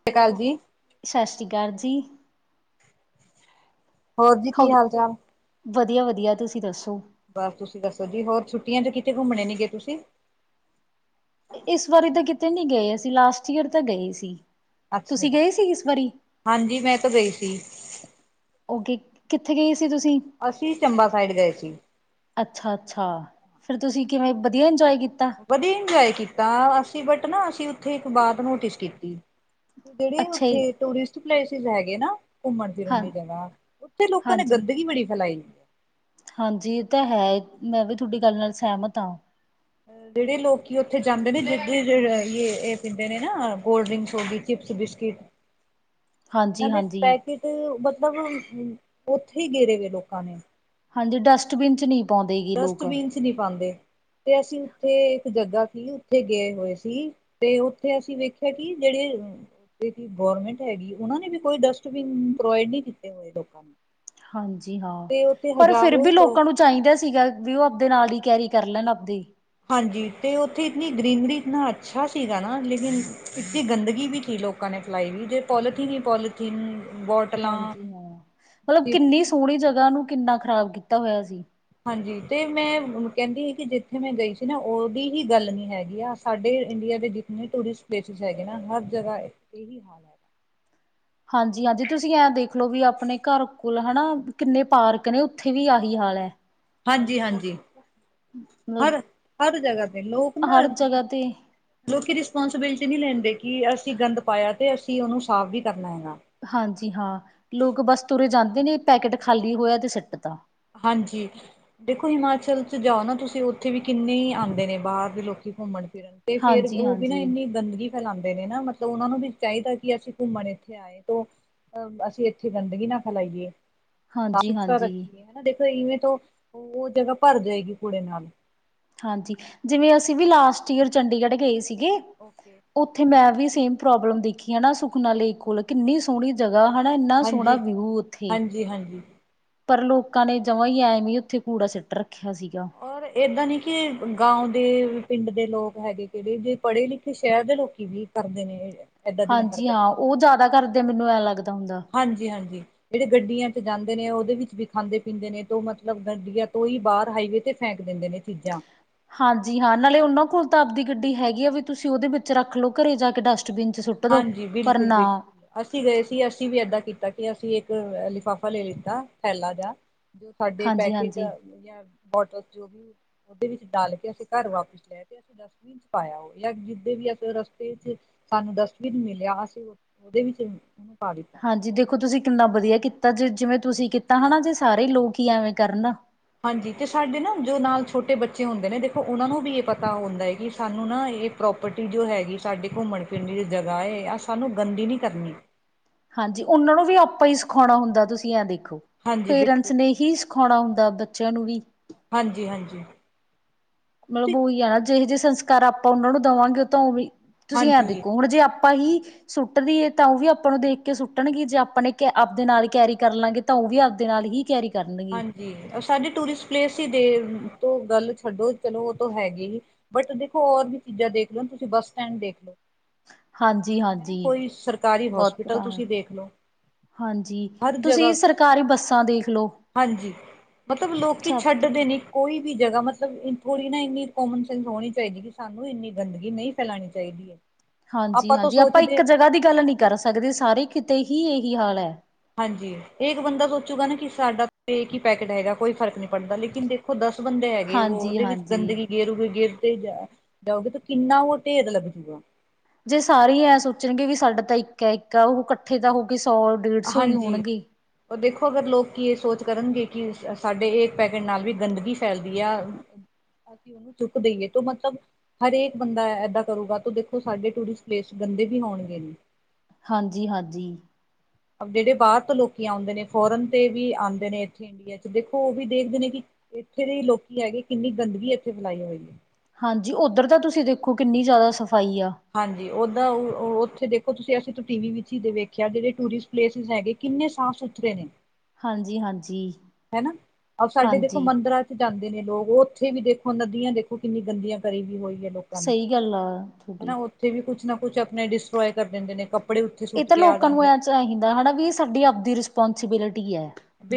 ਸਤਿ੍ ਸ੍ਰੀ ਅਕਾਲ ਜੀ। ਸਤਿ ਸ਼੍ਰੀ ਅਕਾਲ ਜੀ। ਹੋਰ ਜੀ, ਕੀ ਹਾਲ ਚਾਲ? ਵਧੀਆ ਵਧੀਆ, ਤੁਸੀਂ ਦੱਸੋ ਬਸ ਤੁਸੀਂ ਦੱਸੋ ਜੀ, ਹੋਰ ਛੁੱਟੀਆਂ ਚ ਕਿਤੇ ਘੁੰਮਣੇ ਨੀ ਗਏ ਤੁਸੀਂ! ਇਸ ਵਾਰੀ ਤਾਂ ਕਿਤੇ ਨਹੀਂ ਗਏ ਅਸੀਂ, ਲਾਸਟ ਈਅਰ ਤਾਂ ਗਏ ਸੀ। ਅੱਛਾ ਤੁਸੀਂ ਜੀ, ਗਏ ਸੀ ਇਸ ਵਾਰੀ, ਹਾਂਜੀ ਮੈਂ ਤਾਂ ਗਈ ਸੀ! ਔ ਕੇ, ਕਿੱਥੇ ਗਏ ਸੀ ਤੁਸੀਂ? ਅਸੀਂ ਚੰਬਾ ਸਾਈਡ ਗਏ ਸੀ! ਅੱਛਾ ਅੱਛਾ, ਫੇਰ ਤੁਸੀਂ ਕਿਵੇਂ, ਵਧੀਆ ਇੰਜੋਏ ਕੀਤਾ। ਵਧੀਆ ਇੰਜੋਏ ਕੀਤਾ! ਅਸੀਂ ਬਟ ਨਾ ਅਸੀਂ ਉੱਥੇ ਇੱਕ ਬਾਤ ਨੋਟਿਸ ਕੀਤੀ। ਜਿਹੜੇ ਅੱਛਾ ਜੀ। ਉੱਥੇ, ਟੂਰਿਸਟ ਪਲੇਸਿਸ ਹੈਗੇ ਨਾ ਘੁੰਮਣ ਫਿਰਨ ਹਾਂ, ਦੀ ਜਗ੍ਹਾ, ਉੱਥੇ ਲੋਕਾਂ ਨੇ ਗੰਦਗੀ ਬੜੀ ਫੈਲਾਈ। ਹਾਂਜੀ ਇਹ ਤਾਂ ਹੈ, ਮੈਂ ਵੀ ਤੁਹਾਡੀ ਗੱਲ ਨਾਲ ਸਹਿਮਤ ਹਾਂ! ਜਿਹੜੇ ਲੋਕ ਉੱਥੇ ਜਾਂਦੇ ਨੇ, ਜਿ ਇਹ ਪੀਂਦੇ ਨੇ ਨਾ ਕੋਲਡ ਡ੍ਰਿੰਕਸ ਹੋ ਗਈ, ਚਿਪਸ ਬਿਸਕਿਟ ਹ [inaudible] ਇਹਨਾਂ ਦੇ ਪੈਕੇਟ ਮਤਲਬ ਉੱਥੇ ਹੀ ਗੇਰੇ ਵ ਲੋਕਾਂ ਨੇ ਹਾਂਜੀ ਡਸਟਬਿਨ ਚ ਨਹੀਂ। ਪਾਉਂਦੇ ਗੇ ਲੋਕ, ਡਸਟਬੀਨ ਨਹੀਂ ਪਾਉਂਦੇ ਤੇ ਅਸੀਂ ਉੱਥੇ ਇੱਕ ਜੱਗਾ ਸੀ ਉੱਥੇ ਗਏ ਹੋਏ ਸੀ। ਤੇ ਉੱਥੇ ਅਸੀਂ ਵੇਖਿਆ ਕਿ ਜਿਹੜੇ, ਜਿਹੜੀ ਗਰਮੈਂਟ ਹੈਗੀ ਉਹਨਾਂ ਨੇ ਵੀ ਕੋਈ ਡਸਟਬਿਨ ਪ੍ਰੋਵਾਈਡ ਨਹੀਂ ਕੀਤੇ ਹੋਏ ਲੋਕਾਂ ਨੂੰ ਹਾਂਜੀ ਹਾਂ ਤੇ ਉੱਥੇ ਪਰ ਫਿਰ ਹਜ਼ਾਰੋਂ ਵੀ ਹੀ ਲੋਕ ਲੋਕਾਂ ਨੂੰ। ਚਾਹੀਦਾ ਸੀਗਾ ਵੀ ਉਹ ਆਪਦੇ ਨਾਲ ਹੀ ਕੈਰੀ ਕਰ ਲੈਣ ਆਪਦੀ। ਹਾਂਜੀ ਤੇ ਉੱਥੇ ਇੰਨੀ ਗਰੀਨਰੀ ਇਤਨਾ ਅੱਛਾ ਸੀਗਾ ਨਾ ਲੇਕਿਨ ਇਨੀ ਗੰਦਗੀ ਵੀ ਸੀ ਲੋਕ। ਲੋਕਾਂ ਨੇ ਫਿਲਾਈ ਵੀ ਪੋਲੀਥੀਨ ਹੀ ਪੋਲੀਥੀਨ। ਬੋਟਲਾਂ ਹਾਂਜੀ ਹਾਂ ਮਤਲਬ ਚਿਪਸ ਕਿੰਨੀ ਸੋਹਣੀ ਜਗ੍ਹਾ ਨੂੰ ਕਿੰਨਾ ਖ਼ਰਾਬ ਕੀਤਾ ਹੋਇਆ ਸੀ ਹਾਂਜੀ ਤੇ ਮੈਂ ਕਹਿੰਦੀ ਸੀ ਕਿ ਜਿੱਥੇ ਮੈਂ ਗਈ ਸੀ ਨਾ ਉਹਦੀ ਹੀ ਗੱਲ ਨਹੀਂ ਹੈਗੀ ਆ! ਸਾਡੇ ਇੰਡੀਆ ਦੇ ਜਿੰਨੇ ਟੂਰਿਸਟ ਪਲੇਸਿਸ ਹੈਗੇ ਨਾ ਹਰ ਜਗ੍ਹਾ ਇਹੀ ਹਾਲ ਹੈ। ਹਾਂਜੀ ਹਾਂਜੀ ਤੁਸੀਂ ਐਂ ਦੇਖਲੋ ਵੀ ਆਪਣੇ ਘਰ ਕੋਲ ਨੇ ਕਿੰਨੇ ਪਾਰਕ ਨੇ ਉੱਥੇ ਵੀ ਆਹੀ ਹਾਲ ਹੈ। ਹਾਂਜੀ ਹਾਂਜੀ ਮਤਲਬ ਹਰ ਹਰ ਜਗ੍ਹਾ ਤੇ ਲੋਕ ਨਾ, ਹਰ ਜਗ੍ਹਾ ਤੇ ਲੋਕੀ ਰਿਸਪੋਂਸੀਬਿਲਟੀ ਨਹੀਂ ਲੈਂਦੇ ਕਿ ਅਸੀਂ ਗੰਦ ਪਾਇਆ ਤੇ ਅਸੀਂ ਉਹਨੂੰ ਸਾਫ਼ ਵੀ ਕਰਨਾ ਹੈਗਾ! ਹਾਂਜੀ ਹਾਂ ਲੋਕ ਬਸ ਤੁਰੇ ਜਾਂਦੇ ਨੇ ਪੈਕੇਟ ਖਾਲੀ ਹੋਇਆ ਤੇ ਸਿੱਟ ਦਾ ਹਾਂਜੀ! ਦੇਖੋ ਹਿਮਾਚਲ ਚ ਜਾਓ ਨਾ ਤੁਸੀਂ ਉੱਥੇ ਵੀ ਕਿੰਨੇ ਹੀ ਆਉਂਦੇ ਨੇ ਬਾਹਰ ਦੇ ਲੋਕੀ ਘੁੰਮਣ ਫਿਰਨ ਤੇ ਫੇਰ ਹਾਂਜੀ ਉਹ ਵੀ ਨਾ ਹਾਂਜੀ ਇੰਨੀ ਗੰਦਗੀ ਫੈਲਾਉਂਦੇ ਨੇ ਨਾ ਮਤਲਬ ਉਹਨਾ ਨੂੰ ਵੀ ਚਾਹੀਦਾ ਕਿ ਅਸੀਂ ਘੁੰਮਣ ਇੱਥੇ ਆਏ ਤੋਂ ਅਸੀਂ ਇੱਥੇ ਗੰਦਗੀ ਨਾ ਫੈਲਾਈਏ ਸਾਫ਼ ਹਾਂਜੀ ਸੁਥਰਾ ਹਾਂਜੀ ਰੱਖੀਏ ਹਨਾ ਦੇਖੋ ਇਵੇਂ ਤੋਂ ਉਹ ਜਗ੍ਹਾ ਭਰ ਜਾਏਗੀ ਕੂੜੇ ਨਾਲ ਹਾਂਜੀ ਜਿਵੇਂ ਅਸੀਂ ਵੀ ਲਾਸਟ ਈਅਰ ਚੰਡੀਗੜ੍ਹ ਗਏ ਸੀਗੇ ਓਕੇ [inaudible] ਉੱਥੇ ਮੈਂ ਵੀ ਸੇਮ ਪ੍ਰੋਬਲਮ ਦੇਖੀ ਆ ਨਾ ਸੁਖਨਾ ਲੇਕ ਕੋਲ ਕਿੰਨੀ ਸੋਹਣੀ ਜਗ੍ਹਾ ਹਨਾ ਇੰਨਾ ਸੋਹਣਾ ਹਾਂਜੀ, ਵਿਊ ਉੱਥੇ। ਹਾਂਜੀ, ਹਾਂਜੀ। ਪਰ ਲੋਕਾਂ ਨੇ ਜਮਾਂ ਹੀ ਐਵੇ ਹੀ ਉੱਥੇ ਕੂੜਾ ਸਿੱਟ ਰੱਖਿਆ ਸੀਗਾ! ਔਰ ਏਦਾਂ ਨੀ ਕਿ ਗਾਉ ਦੇ ਪਿੰਡ ਦੇ ਲੋਕ ਹੈਗੇ ਕਿਹੜੇ ਜ ਪੜ੍ਹੇ ਲਿਖੇ ਸ਼ਹਿਰ ਦੇ ਲੋਕੀ ਵੀ ਕਰਦੇ ਨੇ ਇਹ ਹਾਂਜੀ ਹਾਂ ਉਹ ਜ਼ਿਆਦਾ ਕਰਦੇ ਮੈਨੂੰ ਐਂ ਲੱਗਦਾ ਹੁੰਦਾ। ਹਾਂਜੀ ਹਾਂਜੀ। ਜਿਹੜੇ ਗੱਡੀਆਂ ਚ ਜਾਂਦੇ ਨੇ ਉਹਦੇ ਵਿੱਚ ਵੀ ਖਾਂਦੇ ਪੀਂਦੇ ਨੇ ਤੇ ਮਤਲਬ ਗੱਡੀਆਂ ਤੋਂ ਹੀ ਬਾਹਰ ਹਾਈਵੇ ਤੇ! ਫੇਕ ਦਿੰਦੇ ਨੇ ਚੀਜ਼ਾਂ। ਹਾਂਜੀ ਹਾਂ ਨਾਲੇ ਉਹਨਾਂ ਕੋਲ ਤਾਂ ਆਪਦੀ ਗੱਡੀ ਹੈਗੀ ਆ ਵੀ ਤੁਸੀਂ ਉਹਦੇ ਵਿੱਚ ਰੱਖ ਲਓ ਘਰੇ ਜਾ ਕੇ ਡਸਟਬਿਨ ਚ ਸੁੱਟ ਟ ਦੋ ਹਾਂਜੀ ਪਰ ਬਿਲਕੁਲ ਨਾ ਬਿਲਕੁਲ ਅਸੀਂ ਗਏ ਸੀ ਅਸੀਂ ਵੀ ਏਦਾਂ ਕੀਤਾ ਕਿ ਅਸੀਂ ਇੱਕ ਲਿਫਾਫਾ ਲੈ ਲਿੱਤਾ ਥੈਲਾ ਜਿਹਾ। ਜੋ ਸਾਡੇ ਹਾਂਜੀ ਪੈਕੇਟ ਹਾਂਜੀ ਜਾਂ ਬੋਟਲ ਜੋ ਵੀ ਉਹਦੇ ਵਿੱਚ ਡਾਲ ਕੇ ਅਸੀਂ ਘਰ ਵਾਪਿਸ ਲੈ ਕੇ ਡਸਟਬਿਨ ਚ ਪਾਇਆ ਹੋ ਜਾਂ ਜਿੱਦਾਂ ਵੀ ਕੋਈ ਰਸਤੇ ਚ ਸਾਨੂੰ ਵੀ ਮਿਲਿਆ ਅਸੀਂ ਉਹਦੇ ਵਿੱਚ ਉਹਨੂੰ ਪਾ ਦਿੱਤਾ। ਹਾਂਜੀ ਦੇਖੋ ਤੁਸੀਂ ਕਿੰਨਾ ਵਧੀਆ ਕੀਤਾ ਜੇ ਜਿਵੇਂ ਤੁਸੀਂ ਕੀਤਾ ਹੈ ਜੇ ਸਾਰੇ ਲੋਕ ਹੀ ਐਵੇਂ ਕਰਨ! ਹਾਂਜੀ ਤੇ ਸਾਡੇ ਨਾ ਜੋ ਨਾਲ ਛੋਟੇ ਬੱਚੇ ਹੁੰਦੇ ਨੇ ਦੇਖੋ ਉਹਨਾਂ ਨੂੰ ਵੀ ਇਹ ਪਤਾ ਹੁੰਦਾ ਹੈ ਕਿ ਸਾਨੂੰ ਨਾ ਇਹ ਪ੍ਰੋਪਰਟੀ ਜੋ ਹੈਗੀ ਸਾਡੇ ਘੁੰਮਣ ਫਿਰਨ ਦੀ ਜੋ ਜਗ੍ਹਾ ਹੈਏ ਆਹ ਸਾਨੂੰ ਗੰਦੀ ਨਹੀਂ ਕਰਨੀ ਹਾਂਜੀ ਉਹਨਾਂ ਨੂੰ ਵੀ ਆਪਾਂ ਹੀ ਸਿਖਾਉਣਾ ਹੁੰਦਾ ਤੁਸੀਂ ਐ ਦੇਖੋ ਹਾਂਜੀ ਪੇਰੈਂਟਸ ਬਿਲਕੁਲ ਨੇ ਹੀ ਸਿਖਾਉਣਾ ਹੁੰਦਾ ਬੱਚਿਆਂ ਨੂੰ ਵੀ ਹਾਂਜੀ ਹਾਂਜੀ ਮਤਲਬ ਤੁਸੀਂ ਉਹੀ ਆ ਨਾ ਜਿ ਜਿਹੇ ਸੰਸਕਾਰ ਆਪਾਂ ਉਹਨਾਂ ਨੂੰ ਦੇਵਾਂਗੇ ਉਹ ਤਾਂ ਉਹ ਵੀ ਤੁਸੀਂ ਆ ਹਾਂਜੀ ਦੇਖੋ ਹੁਣ ਜੇ ਆਪਾਂ ਹੀ ਸੁੱਟਦੀ ਹੈ ਤਾਂ ਉਹ ਵੀ ਆਪਾਂ ਨੂੰ ਦੇਖ ਕੇ ਸੁੱਟਣਗੇ ਜੇ ਆਪਾਂਣੇ ਕ ਆਪਦੇ ਨਾਲ ਕੈਰੀ ਕਰ ਲਾਂਗੇ ਤਾਂ ਉਹ ਵੀ ਆਪਦੇ ਨਾਲ ਹੀ ਕੈਰੀ ਕਰਨ ਗੇ। ਜੀ ਸਾਡੇ ਟੂਰਿਸਟ ਪਲੇਸ ਦੇ ਤੋਂ, ਗੱਲ ਛੱਡੋ ਚਲੋ ਉਹ ਤੋਂ ਹੈਗੇ ਹੀ। ਬਟ ਦੇਖੋ ਹੋਰ ਵੀ ਚੀਜ਼ਾਂ ਦੇਖ ਲੋ, ਤੁਸੀਂ ਬੱਸ ਸਟੈਂਡ ਦੇਖ ਲੋ। ਹਾਂਜੀ ਹਾਂਜੀ ਕੋਈ ਸਰਕਾਰੀ ਬਹੁਤ ਹੋਸਪਿਟਲ ਬੁਰਾ ਹਾਲ ਤੁਸੀਂ ਦੇਖ ਲੋ। ਹਾਂਜੀ, ਤੁਸੀਂ ਸਰਕਾਰੀ ਬੱਸਾਂ ਦੇਖ ਲੋ। ਹਾਂਜੀ, ਮਤਲਬ ਲੋਕੀ ਕਿਤੇ ਛੱਡਦੇ ਨੀ। ਕੋਈ ਵੀ ਜਗ੍ਹਾ ਮਤਲਬ ਥੋੜ੍ਹੀ ਨਾ ਇੰਨੀ ਕੋਮਨ ਸੈਂਸ ਹੋਣੀ ਚਾਹੀਦੀ ਕਿ, ਸਾਨੂੰ ਇੰਨੀ ਗੰਦਗੀ ਨਹੀਂ ਫੈਲਾਣੀ ਚਾਹੀਦੀ। [unintelligible] ਹਾਂਜੀ ਤੋਂ ਹਾਂਜੀ ਆਪਾਂ ਇੱਕ ਸੋਚਦੇ ਜਗ੍ਹਾ ਦੀ ਗੱਲ ਨਹੀਂ ਕਰ ਹਾਂਜੀ ਸਕਦੇ ਸਾਰੇ ਕਿਤੇ ਹੀ ਇਹੀ ਹਾਲ ਐ। ਹਾਂਜੀ ਇਹ ਇੱਕ ਬੰਦਾ ਸੋਚੂਗਾ ਨਾ ਕਿ ਸਾਡਾ ਇਹ ਕੀ ਪੈਕੇਟ ਹੈਗਾ, ਕੋਈ ਫਰਕ ਨਹੀਂ ਪੜਤਾ ਲੇਕਿਨ ਦੇ ਦੇਖੋ ਦਸ ਬੰਦੇ ਹੈਗੇ ਉਹ ਹਾਂਜੀ ਉਹਦੇ ਵਿੱਚ ਹਾਂਜੀ ਗੰਦਗੀ ਗੇਰੂਗੇ ਗੇਰ ਤੇ ਜਾ ਜਾਓਗੇ ਤੇ ਕਿੰਨਾ ਉਹ ਢੇਰ ਲੱਗਜੂਗਾ। ਜੇ ਸਾਰੇ ਹੀ ਐਂ ਸੋਚਣਗੇ ਵੀ ਸਾਡਾ ਤਾਂ ਇੱਕ ਐ ਇੱਕ ਉਹ ਕੱਠੇ ਤਾਂ ਹੋ ਕੇ ਸੌ ਡੇਢ ਸੌ ਹੀ ਹਾਂਜੀ। ਹੋਣਗੇ ਪਰ ਦੇਖੋ ਅਗਰ ਲੋਕੀ ਇਹ ਸੋਚ ਕਰਨਗੇ ਕਿ ਸਾਡੇ ਇਹ ਪੈਕੇਟ ਨਾਲ ਵੀ ਗੰਦਗੀ ਫੈਲਦੀ ਆ [unintelligible] ਅਸੀਂ ਉਹਨੂੰ ਚੁੱਕ ਦੇਈਏ ਤਾਂ ਮਤਲਬ [unintelligible] ਹਰੇਕ ਬੰਦਾ ਐਦਾਂ ਕਰੂਗਾ ਤੂੰ ਦੇਖੋ ਸਾਡੇ ਟੂਰਿਸਟ ਪਲੇਸ ਗੰਦੇ ਵੀ ਹੋਣਗੇ। ਹਾਂਜੀ, ਹਾਂਜੀ। ਜਿਹੜੇ ਬਾਹਰ ਤੋਂ ਲੋਕੀ ਆਉਂਦੇ ਨੇ ਫੋਰਨ ਤੇ ਵੀ ਆਂਦੇ ਨੇ ਇੱਥੇ। ਇੰਡੀਆ ਚ ਦੇਖੋ ਉਹ ਵੀ ਦੇਖਦੇ ਨੇ ਕਿ ਇੱਥੇ ਦੇ ਲੋਕੀ ਹੈਗੇ ਕਿੰਨੀ ਗੰਦਗੀ ਇੱਥੇ ਫੈਲਾਈ ਹੋਈ ਹੈ। ਹਾਂਜੀ ਉੱਧਰ ਤਾਂ ਤੁਸੀਂ ਦੇਖੋ ਕਿੰਨੀ ਜਿਆਦਾ ਸਫਾਈ ਆ। ਹਾਂਜੀ ਓਦਾਂ ਓ ਓ ਉੱਥੇ ਦੇਖੋ ਤੁਸੀਂ ਅਸੀਂ ਤੋ ਟੀ ਵੀ ਵਿੱਚ ਹੀ ਵੇਖਿਆ ਜਿਹੜੇ ਟੂਰਿਸਟ ਪਲੇਸਿਸ ਹੈਗੇ ਕਿੰਨੇ ਸਾਫ਼ ਸੁਥਰੇ ਨੇ। ਹਾਂਜੀ, ਹਾਂਜੀ। ਹੈਨਾ, ਸਾਡੇ ਦੇਖੋ ਹਾਂਜੀ ਮੰਦਿਰਾਂ ਚ ਜਾਂਦੇ ਨੇ ਲੋਕ ਉਹ ਉੱਥੇ ਵੀ ਦੇਖੋ ਨਦੀਆਂ ਦੇਖੋ ਕਿੰਨੀ ਗੰਦੀਆਂ ਕਰੀ ਵੀ ਹੋਈ ਹੈ ਲੋਕ ਸਹੀ ਗੱਲ ਆ ਹਨਾ ਤੁਹਾਡੀ ਉੱਥੇ ਵੀ ਕੁਛ ਨਾ ਕੁਛ ਆਪਣੇ ਡਿਸਟ੍ਰੋਏ ਕਰ ਦਿੰਦੇ ਨੇ ਕੱਪੜਏ ਇਹ ਤਾਂ ਲੋਕਾਂ ਨੂੰ ਐ ਚ ਚਾਹੀਂਦਾ ਹੈਨਾ ਵੀ ਇਹ ਸਾਡੀ ਆਪਦੀ ਰਿਸਪੋਂਸੀਬਿਲਿਟੀ ਐ,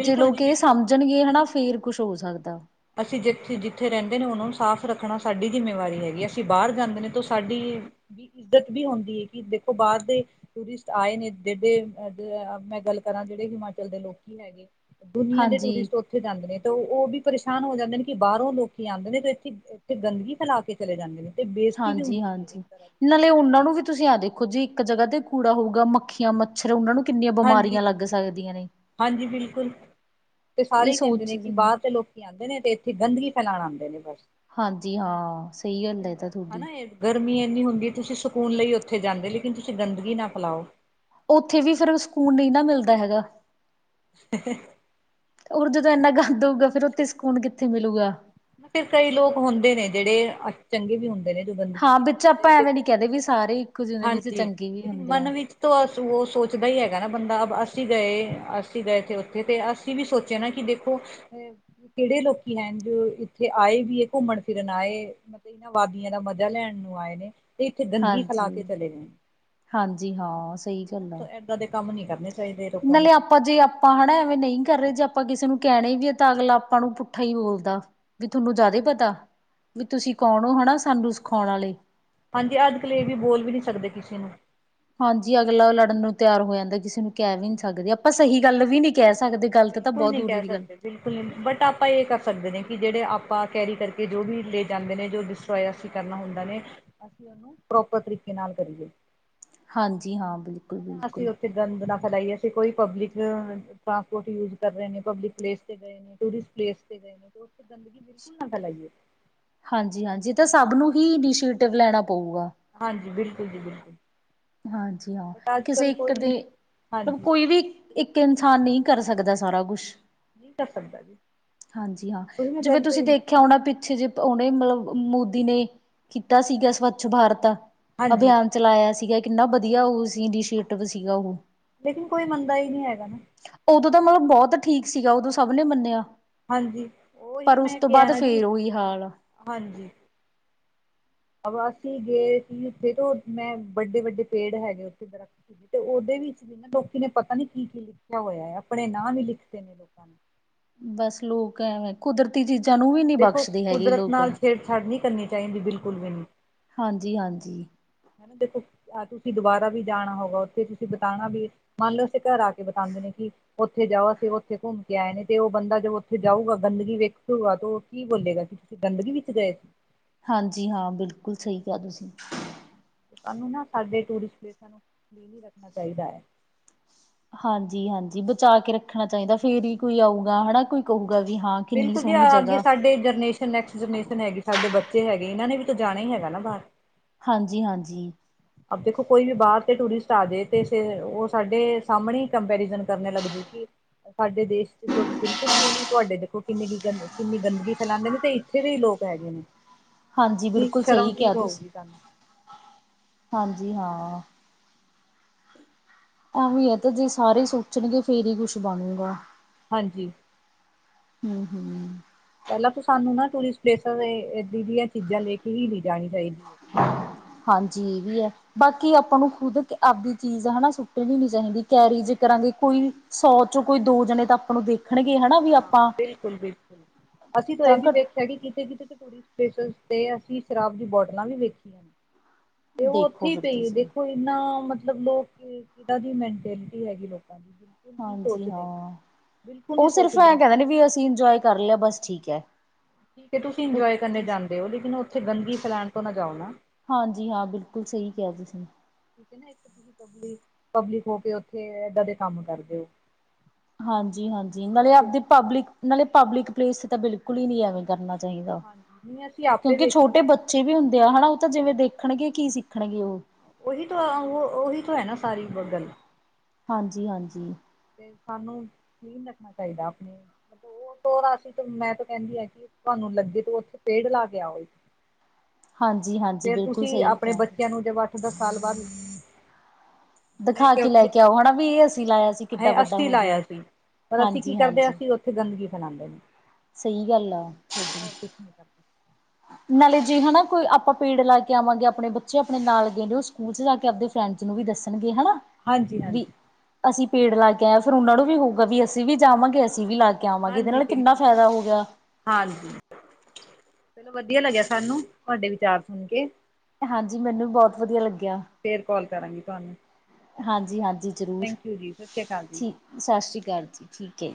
ਜੇ ਲੋਕ ਜੀ ਇਹ ਬਿਲਕੁਲ ਸਮਝ ਜਣਗੇ ਹਨਾ ਫੇਰ ਕੁਛ ਹੋ ਸਕਦਾ। ਅਸੀਂ ਜਿੱਥੇ ਜਿੱਥੇ ਰਹਿੰਦੇ ਨੇ ਉਹਨਾਂ ਨੂੰ ਸਾਫ਼ ਰੱਖਣਾ ਸਾਡੀ ਜਿੰਮੇਵਾਰੀ ਹੈਗੀ ਅਸੀਂ ਬਾਹਰ ਜਾਂਦੇ ਨੇ ਤੋਂ ਸਾਡੀ ਵੀ ਇੱਜ਼ਤ ਵੀ ਹੁੰਦੀ ਹੈ ਕਿ, ਦੇਖੋ ਬਾਹਰ ਦੇ ਟੂਰਿਸਟ ਆਏ ਨੇ ਜਡੇ ਮੈਂ ਗੱਲ ਕਰਾਂ ਜਿਹੜੇ ਹਿਮਾਚਲ ਦੇ ਲੋਕੀ ਹੈਗੇ। ਦੁਨੀਆਂ ਦੇ ਹਾਂਜੀ ਟੂਰਿਸਟ ਉੱਥੇ ਜਾਂਦੇ ਨੇ ਤੇ ਉਹ ਵੀ ਪਰੇਸ਼ਾਨ ਹੋ ਜਾਂਦੇ ਨੇ ਕਿ ਬਾਹਰੋਂ ਲੋਕੀ ਆਂਦੇ ਨੇ, ਤੇ ਇੱਥੇ ਇੱਥੇ ਗੰਦਗੀ ਫੈਲਾ ਕੇ ਚਲੇ ਜਾਂਦੇ ਨੇ ਤੇ ਬੇਜ਼ਤੀ ਵੀ ਹਾਂਜੀ ਹੁੰਦੀ ਹੈ ਇੱਕ ਹਾਂਜੀ, ਤਰ੍ਹਾਂ ਦੀ ਨਾਲੇ ਉਹਨਾਂ ਨੂੰ ਵੀ ਤੁਸੀਂ ਆ ਦੇਖੋ ਜੀ ਇੱਕ ਜਗ੍ਹਾ ਤੇ ਕੂੜਾ ਹੋਊਗਾ ਮੱਖੀਆਂ ਫੇਰ ਉਹਨਾਂ ਨੂੰ ਕਿੰਨੀਆਂ ਹਾਂਜੀ ਬਿਮਾਰੀਆਂ ਲੱਗ ਸਕਦੀਆਂ ਨੇ? ਹਾਂਜੀ ਬਿਲਕੁਲ, ਤੇ ਸਾਰੇ ਇਹ ਹੀ ਕਹਿੰਦੇ ਨੇ ਸੋਚਦੇ ਕਿ, ਬਾਹਰ ਦੇ ਲੋਕ ਆਂਦੇ ਨੇ ਤੇ ਇੱਥੇ ਗੰਦਗੀ ਫੈਲਾਣ ਆਂਦੇ ਨੇ ਬੱਸ। ਹਾਂਜੀ, ਹਾਂ ਸਈ ਗਲ ਏ, ਏ ਤਾ ਥੋਡੀ। ਹਨਾ ਇਹ ਗਰਮੀ ਐਂਨੀ ਹੁੰਦੀ ਏ, ਤੁਸੀਂ ਸਕੂਨ ਲਈ ਉੱਥੇ ਜਾਂਦੇ, ਲੇਕਿਨ ਤੁਸੀਂ ਗੰਦਗੀ ਨਾ ਫੈਲਾਓ। ਉੱਥੇ ਵੀ ਫਿਰ ਸਕੂਨ ਨਹੀਂ ਨਾ ਮਿਲਦਾ ਹੈਗਾ। [unintelligible] ਉਹ ਜਦੋਂ ਐਂਨਾ ਗੰਦ ਹੋਊਗਾ, ਫਿਰ ਉੱਥੇ ਸਕੂਨ ਕਿੱਥੇ ਮਿਲੂਗਾ? ਫੇਰ ਕਈ ਲੋਕ ਹੁੰਦੇ ਨੇ ਜਿਹੜੇ, ਚੰਗੇ ਵੀ ਹੁੰਦੇ ਨੇ। ਗੰਦਗੀ ਹਾਂ ਨਹੀਂ ਵਿੱਚ ਆਪਾਂ ਫੈਲਾਂਦੇ ਐਵੇਂ ਨੀ ਦੇਖੋ। ਕਹਦੇ ਵੀ ਸਾਰੇ ਇੱਕੋ ਜਿਹੇ ਵਿੱਚ ਹਾਂਜੀ, ਚੰਗੇ ਵੀ ਲੇਕਿਨ ਹੁੰਦੇ ਆ। ਮਨ ਵਿੱਚ ਤੋਂ ਅਸ ਉਹ ਸੋਚਦਾ ਹੀ ਹੈਗਾ ਨਾ ਬੰਦਾ, ਅ ਅਸੀਂ ਗਏ -ਅਸੀਂ ਗਏ ਤੇੇ ਉੱਥੇ ਅਤੇ ਅਸੀ ਤੁਸੀਂ ਵੀ ਸੋਚਿਆ ਨਾ ਕਿ ਦੇਖੋ, ਅ ਕਿਹੜੇ ਲੋਕੀਂ ਹੈਣ, ਜੋ ਉੱਥੇ ਆਏ ਵੀ ਹੈ ਘੁੰਮਣ ਫਿਰਨ ਆਏ, ਮਤਲਬ ਇਹਨਾਂ ਵਾਦੀਆਂ ਦਾ ਮਜ਼ਾ ਲੈਣ ਨੂੰ ਆਏ ਨੇ। ਤੇ ਇੱਥੇ ਗੰਦਗੀ ਫੈਲਾ ਕੇ ਹਾਂਜੀ, ਚਲੇ ਗਏ ਨੇ। ਹਾਂਜੀ। ਹਾਂ, ਸਹੀ ਗੱਲ ਆ ਕਦੇ ਕੰਮ ਨੀ ਕਰਨੇ ਚਾਹੀਦੇ ਲੋਕਾਂ ਨਾਲੇ ਨੂੰ ਆਪਾਂ ਜੇ ਅਪ ਤਾਂ ਨ ਐਵੇਂ ਨਹੀਂ ਕਰ ਰਹੇ ਜੇ ਆਪਾਂ ਕਿਸੇ ਨੂੰ ਕਹਿਣੇ ਵੀਏ ਤਾਂ ਅਗਲਾ ਆਪਾਂ ਨੂੰ ਪੁੱਠਾ ਹੀ ਬੋਲਦਾ ਵੀ ਤੁਹਾਨੂੰ ਹਾਂਜੀ ਜ਼ਿਆਦਾ ਪਤਾ। ਵੀ ਤੁਸੀਂ ਕੌਣ ਹੋ? ਹੈ ਸਾਨੂੰ ਸਿਖਾਉਣ ਵਾਲੇ ਹਾਂਜੀ ਅੱਜ ਕਲੇ ਵੀ ਬੋਲ ਵੀ ਨਹੀਂ ਸਕਦੇ ਕਿਸੇ ਨੂੰ ਹਾਂਜੀ ਅਗਲਾ ਲੜਨ ਨੂੰ ਤਿਆਰ ਹੋ ਜਾਂਦਾ ਕਿਸੇ ਨੂੰ ਕਹਿ ਵੀ ਨੀ ਸਕਦੇ ਆਪਾਂ ਸਹੀ ਗੱਲ ਵੀ ਨਹੀਂ ਕਹਿ ਸਕਦੇ ਗਲਤ ਤਾਂ ਬਿਲਕੁਲ ਬਹੁਤ ਨਹੀਂ ਦੂਰ ਕਹਿ ਦੀ ਗੱਲ ਸਕਦੇ ਬਿਲਕੁਲ ਨਹੀਂ ਬਟ ਆਪਾਂ ਇਹ ਕਰ ਸਕਦੇ ਨੇ ਕਿ ਜਿਹੜੇ ਆਪਾਂ ਕੈਰੀ ਕਰਕੇ ਜੋ ਵੀ ਲੈ ਜਾਂਦੇ ਨੇ ਜੋ ਦਿਸ ਪ੍ਰੋਇਆਸੀ ਕਰਨਾ ਹੁੰਦਾ ਨੇ ਹਾਂ [unintelligible] ਕੀ ਉਹਨੂੰ ਪ੍ਰੋਪਰ ਤਰੀਕੇ ਨਾਲ ਕਰੀਏ। ਹਾਂਜੀ। ਹਾਂ, ਬਿਲਕੁਲ ਹਨਾ [unintelligible] ਅਸੀ ਬਿਲਕੁਲ। ਗ ਗੰਦ ਨਾ ਫੈਲਾਈਏ। ਅਸੀਂ ਕੋਈ ਪਬਲਿਕ ਟਰਾਂਸਪੋਰਟ ਯੂਜ ਕਰ ਰਹੇ। ਨੇ ਪਬਲਿਕ ਪਲੇਸ ਤੇ ਗਏ ਟੂਰਿਸਟ ਪਲੇਸ ਤੇ ਗਏ ਨੇ ਤੇੇ ਗੰਦਗੀ, ਬਿਲਕੁਲ ਨਾ ਫੈਲਾਈਏ। ਹਾਂਜੀ -ਹਾਂਜੀ ਤਾਂ ਸਭ ਨੂੰ ਹੀ ਇਨੀਸ਼ੀਏਟਿਵ ਲੈਣਾ ਪਊਗਾ ਹਾਂਜੀ। ਬਿਲਕੁਲ ਜੀ -ਬਿਲਕੁਲ ਹਾਂਜੀ। ਹਾਂ ਬਟ ਅੱਜ ਕਿਸੇ ਕੱਲ ਇੱਕ ਕੋਈ ਦੇ ਮਤਲਬ ਹਾਂਜੀ ਕੋਈ ਵੀ ਇੱਕ ਇਨਸਾਨ ਨਹੀਂ ਕਰ ਸਕਦਾ ਸਾਰਾ ਕੁਛ। ਨਹੀਂ ਕਰ ਸਕਦਾ ਜੀ ਹਾਂਜੀ। ਹਾਂ, ਉਹੀ ਮੈਂ ਜਿਵੇਂ ਗੱਲ ਤੁਸੀਂ ਕਹੀ ਦੇਖਿਆ ਹੋਣਾ ਪਿੱਛੇ ਜੇ ਉਹਨੇ ਮਤਲਬ ਮੋਦੀ ਨੇ ਕੀਤਾ ਸੀਗਾ ਸਵੱਛ ਭਾਰਤ ਹਾਂਜੀ ਅਭਿਆਨ। ਚਲਾਇਆ ਸੀਗਾ ਕਿੰਨਾ ਵਧੀਆ। ਉਹ ਸੀ ਇੰਡੀਸ਼ੀਏਟਿਵ ਸੀਗਾ ਉਹ ਲੇਕਿਨ ਕੋਈ ਮੰਨਦਾ ਹੀ ਨਹੀਂ ਹੈਗਾ। ਨਾ ਕੀ ਉਦੋਂ ਤਾਂ ਕਰੀਏ ਮਤਲਬ ਬਹੁਤ ਠੀਕ ਸੀਗਾ। ਉਦੋਂ ਸਭ ਨੇ ਮੰਨਿਆ, ਹਾਂਜੀ ਉਹੀ ਪਰ ਉਸ ਮੈਂ ਤੋਂ ਕਿਹਾ ਬਾਅਦ ਨਾ ਜੀ ਫੇਰ ਉਹੀ ਹਾਲ ਹਾਂਜੀ ਅ ਅਸੀਂ ਗਏ ਸੀ। ਉੱਥੇ ਮੈਂ ਵੱਡੇ- ਵੱਡੇ ਪੇੜ ਹੈਗੇ ਉੱਥੇ ਦਰਖਤ ਤੇ ਉਹਦੇ ਵਿੱਚ ਵੀ ਨਾ ਲੋਕੀ ਨੇ ਪਤਾ ਨੀ ਕੀ-ਕੀ ਲਿਖਿਆ ਹੋਇਆ ਹੈ। ਆਪਣੇ ਨਾਂ ਵੀ ਲਿਖਦੇ ਨੇ ਲੋਕਾਂ ਨੂੰ ਬੱਸ ਲੋਕ ਐਵੇਂ, ਕੁਦਰਤੀ ਚੀਜ਼ਾਂ ਨੂੰ ਵੀ ਨੀ ਬਖਸ਼ਦੀ ਹੈਗੀ ਲੋਕ ਛੱਡ ਨਹੀਂ ਕਰਨੀ ਚਾਹੀਦੀ ਬਿਲਕੁਲ ਵੀ ਨਹੀਂ ਹਾਂਜੀ -ਹਾਂਜੀ ਹਨਾ ਦੇਖੋਹ ਤੁਸੀਂ ਦੁਬਾਰਾ ਵੀ ਜਾਣਾ ਹੋਊਗਾ ਉੱਥੇ ਤੁਸੀਂ ਬਿਤਾਉਣਾ ਵੀ ਮੰਨ ਲਓ! ਅੇ ਘਰ ਆ ਕੇ ਬਤਾਉਂਦੇ ਨੇ ਕਿ ਉੱਥੇ ਜਾਓ ਅਸੀਂ ਉਹ ਉੱਥੇ ਘੁੰਮ ਕੇ ਉਥੇ ਜਾ ਕੇ, ਉਥੇ ਘੁੰਮ ਕੇ ਆਏ ਨੇ ਉਹ ਬੰਦਾ ਜ ਉੱਥੇ ਜਾਊਗਾ ਗੰਦਗੀ ਵੇਖੂ ਗਾ ਤੇ ਉਹ ਕੀ ਬੋਲੇਗਾ? ਗੰਦਗੀ ਵਿੱਚ ਗਏ ਸੀ ਹਾਂਜੀ! ਹਾਂ ਬਿਲਕੁਲ ਸਹੀ ਕਿਹਾ ਤੁਸੀਂ। ਸਾਨੂੰ ਨਾ ਸਾਡੇ ਟੂਰਿਸਟ ਪਲੇਸਾਂ ਨੂੰ [unintelligible] ਨੀ ਰੱਖਣਾ ਚਾਹੀਦਾ ਹੈ। ਹਾਂਜੀ- ਹਾਂਜੀ, ਬਚਾ ਕੇ ਰੱਖਣਾ ਚਾਹੀਦਾ। ਫੇਰ ਹੀ ਕੋਈ ਆਊਗਾ ਹਨਾ ਕੋਈ ਕਹੂਗਾ ਵੀ ਹਾਂ। ਕਿੰਨੀ ਸੋਹਣੀ ਜਗ੍ਹਾ ਜਨੇਸ਼ਨ ਨੈਕਸਟ ਜਨਰੇਸ਼ਨ ਹੈਗੀ ਸਾਡੇ ਬੱਚੇ ਹੈਗੇ ਇਹਨਾਂ ਨੇ ਵੀ ਤਾਂ ਜਾਣਾ ਹੀ ਹੈਗਾ ਨਾ ਬਾਹਰ ਹਾਂਜੀ ਹਾਂਜੀ ਦੇਖੋ ਕੋਈ ਵੀ ਬਾਹਰ ਤੇ ਟੂਰਿਸਟ ਆ ਜਾਏ ਤੇ ਉਹ ਸਾਡੇ ਸਾਹਮਣੇ ਕੰਪੈਰੀਜਨ ਕਰਨ ਲੱਗਜੂਗੀ ਸਾਡੇ ਦੇਸ਼ ਬਿਲਕੁਲ ਸਹੀ ਨੇ ਤੁਹਾਡੇ ਦੇਖੋ ਕਿੰਨੀ ਗੰ ਕਿੰਨੀ ਗੰਦਗੀ ਫੈਲਾਉਂਦੇ ਨੇ ਤੇ ਇੱਥੇ ਦੇ ਹੀ ਲੋਕ ਹੈਗੇ ਨੇ [inaudible] [inaudible] ਹਾਂਜੀ ਕਿੰਨੀ ਬਿਲਕੁਲ ਸ਼ਰਮ ਸਹੀ ਕਿਹਾ ਫੀਲ ਤੁਸੀਂ ਹੋਊਗੀ ਸਾਨੂੰ ਹਾਂਜੀ ਹਾਂ ਐਵੇਂ ਹੈ ਤਾਂ ਜੇ ਸਾਰੇ ਸੋਚਣਗੇ ਫੇਰ ਹੀ ਕੁਛ ਬਣੂਗਾ ਹਾਂਜੀ ਹੂੰ-ਹੂੰ ਪਹਿਲਾਂ ਤ ਸਾਨੂੰ ਨਾ ਟੂਰਿਸਟ ਪਲੇਸਾਂ ਇ ਦੀਆਂ ਚੀਜ਼ਾਂ ਲੈ ਕੇ ਈ ਨੀ ਜਾਣੀ ਚਾਹੀਦੀ। ਹੈ ਹਾਂਜੀ ਏ ਵੀ ਆ। ਬਾਕੀ ਆਪਾਂ ਨੂੰ ਖੁਦ ਆਪਦੀ ਚੀਜ਼ ਹਨਾ ਸੁੱਟਣੀ ਨੀ ਚਾਹੀਦੀ ਕੈਰੀ ਜ ਕਰਾਂਗੇ ਕੋਈ ਸੌ ਚ ਕੋਈ ਦੋ ਜਣੇ ਤਾਂ ਆਪਾਂ ਨੂੰ ਦੇਖਣਗੇ ਹਨਾ। ਵੀ ਹਾਂ ਆਪਾਂ ਬਿਲਕੁਲ, ਬਿਲਕੁਲ ਅਸੀਂ ਤਾਂ ਇਹ ਵੀ ਵੇਖਿਆ ਸਾਡੀ ਕਿਤੇ-ਕਿਤੇ ਟੂਰਿਸਟ ਪਲੇਸ ਤੇ, ਅਸੀਂ ਸ਼ਰਾਬ ਦੀ ਬੋਟਲਾਂ ਵੀ ਵੇਖੀਆਂ ਨੇ। ਤੇ ਓ ਦੇਖੋ ਉੱਥੇ ਈ ਫਿਰ ਪਈ ਤੁਸੀਂ ਦੇਖੋ। ਕਿੰਨਾ ਮਤਲਬ ਲੋਕ ਕਿ ਦੀ ਮੈਂਟਲਿਟੀ ਹੈਗੀ ਲੋਕਾਂ ਦੀ। ਨਹੀਂ ਹਾਂਜੀ ਸੋਚਦੇ ਹਾਂ ਬਿਲਕੁਲ ਓ ਨਹੀਂ ਸਿਰਫ ਐ ਸੋਚਦੇ ਕਹਿੰਦੇ ਨੇ ਵੀ ਅਸੀਂ ਇੰਜੋਏ ਕਰ ਲਿਆ ਬਸ ਠੀਕ ਐ। ਠੀਕ ਹੈ ਤੁਸੀਂ ਇੰਜੋਏ ਕਰਨੇ ਜਾਂਦੇ ਹੋ ਲੇਕਿਨ ਉੱਥੇ ਗੰਦਗੀ ਫੈਲਾਣ ਤੋਂ ਨਾ ਜਾਓ ਨਾ। ਹਾਂਜੀ ਹਾਂ, ਬਿਲਕੁਲ ਸਹੀ ਕਿਹਾ ਤੁਸੀਂ ਨੇ। ਠੀਕ ਹੈ ਨਾ ਇੱਕ ਤੁਸੀ ਪਬਿਕ ਪਬਲਿਕ ਹੋ ਕੇ ਉੱਥੇ ਏਦਾਂ ਦੇ ਕੰਮ ਕਰਦੇ ਓ। ਹਾਂਜੀ-ਹਾਂਜੀ ਨਾਲੇ ਆਪਦੇ ਪਬਲਿਕ ਨਾਲੇ ਪਬਲਿਕ ਪਲੇਸ ਤਾਂ ਬਿਲਕੁਲ ਈ ਨੀ ਐਵੇਂ ਕਰਨਾ ਚਾਹੀਦਾ ਹਾਂਜੀ ਨਹੀਂ ਅਸੀਂ ਆਪੇ ਕਿਉਂਕਿ ਛੋਟੇ ਵੇਖੀਏ ਬੱਚੇ ਅਛੇ ਵੀ ਹੁੰਦੇ ਆ ਹਨਾ, ਓ ਤਾਂ ਜਿਵੇਂ ਦੇਖਣਗੇ ਕੀ ਸਿੱਖਣਗੇ ਓ ਓਹੀ ਤੋਂ ਓਹੀ ਤੋਂ ਹੈ ਨਾ ਸਾਰੀ ਗੱਲ। ਹਾਂਜੀ, ਹਾਂਜੀ। ਤੇ ਸਾਨੂੰ ਕਲੀਨ ਰੱਖਣਾ ਚਾਹੀਦਾ ਆਪਣੇ ਉਹਸੀ ਮੈਂ ਤਾਂ ਕਹਿੰਦੀ ਆ, ਕਿ ਤੁਹਾਨੂੰ ਲੱਗੇ ਤੋਂ ਉੱਥੇ ਪੇੜ ਲਾ ਕੇ ਆਓ। ਹਾਂਜੀ-ਹਾਂਜੀ ਫੇਰ ਬਿਲਕੁਲ ਤੁਸੀਂ ਸਹੀ ਆਪਣੇ ਕਿਹਾ। ਬੱਚਿਆਂ ਨੂੰ ਜਦੋ ਅੱਠ, ਦਸ ਸਾਲ ਬਾਅਦ ਲ ਦਿਖਾ ਕੇ ਲੈ ਕੇ ਆਓ ਹਨਾ, ਵੀ ਇਹ ਅਸੀਂ ਲਾਇਆ ਸੀ। ਕਿੱਡਾ ਇਹ ਵੱਡਾ ਅਸੀ ਹੋ ਲਾਇਆ ਗਿਆ। ਸੀ ਪਰ ਅਸੀਂ ਕੀ ਕਰਦੇ ਆ ਹਾਂਜੀ-ਹਾਂਜੀ ਅਸੀਂ ਉੱਥੇ ਗੰਦਗੀ ਫੈਲਾਉਂਦੇ ਨੇ। ਸਈ ਗੱਲ ਆ ਵਾ। [unintelligible] ਨਾਲੇ ਜੀ ਹਨਾ ਕੋਈ ਆਪਾਂ ਪੇੜ ਲਾ ਕੇ ਆਵਾਂਗੇ ਆਪਣੇ ਬੱਚੇ ਆਪਣੇ ਨਾਲ ਦੇ ਉਹ ਸਕੂਲ ਚ ਜਾ ਕੇ ਆਪਦੇ ਫਰੈਂਡਜ ਨੂੰ ਵੀ ਦੱਸਣਗੇ ਹਨਾ। ਵੀ ਹਾਂਜੀ-ਹਾਂਜੀ। ਅਸੀਂ ਪੇੜ ਲਾ ਕੇ ਆਏਆ। ਫਿਰ ਉਹਨਾਂ ਨੂੰ ਵੀ ਹੋਊਗਾ ਵੀ ਅਸੀਂ ਵੀ ਜਾਵਾਂਗੇ। ਅਸੀਂ ਵੀ ਲਾ ਆਵਾਂਗੇ ਇਹਦੇ ਹਾਂਜੀ ਨਾਲ ਕਿੰਨਾ ਬਿਲਕੁਲ ਫਾਇਦਾ ਹੋ ਗਿਆ। ਹਾਂਜੀ। ਚਲੋ, ਵਧੀਆ ਲੱਗਿਆ ਸਾਨੂੰ ਤੁਹਾਡੇ ਵਿਚਾਰ ਸੁਣ ਕੇ। ਹਾਂਜੀ ਮੈਨੂੰ ਬੋਤ ਵਧੀਆ ਲੱਗ ਫੇਰ ਕਾਲ ਕਰਾਂਗੀ ਤੁਹਾਨੂੰ। ਹਾਂਜੀ, ਹਾਂਜੀ ਜ਼ਰੂਰ ਥੈਂਕ ਯੂ ਜੀ ਸਤਿ ਸ਼੍ਰੀ ਅਕਾਲ ਜੀ। ਠੀਕ। ਸਤਿ ਸ੍ਰੀ ਅਕਾਲ ਜੀ ਠੀਕ ਐ